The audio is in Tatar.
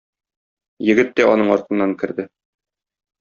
Егет тә аның артыннан керде.